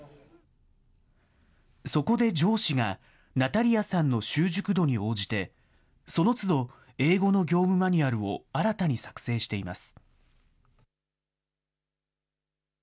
そこで上司が、ナタリアさんの習熟度に応じて、そのつど、英語の業務マニュアルを新たに作成しています。